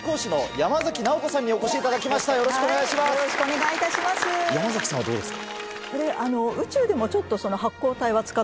山崎さんはどうですか？